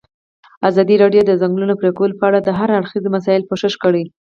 ازادي راډیو د د ځنګلونو پرېکول په اړه د هر اړخیزو مسایلو پوښښ کړی.